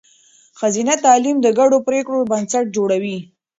ښځینه تعلیم د ګډو پرېکړو بنسټ جوړوي.